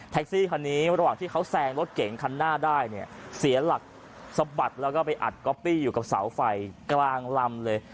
ซี่คันนี้ระหว่างที่เขาแซงรถเก่งคันหน้าได้เนี่ยเสียหลักสะบัดแล้วก็ไปอัดก๊อปปี้อยู่กับเสาไฟกลางลำเลย